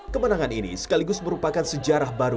kemenangan ini sekaligus merupakan sejarah baru